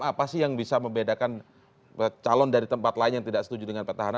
apa sih yang bisa membedakan calon dari tempat lain yang tidak setuju dengan petahana